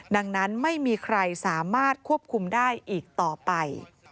ดังนั้นไม่มีใครสามารถควบคุมได้อีกต่อไป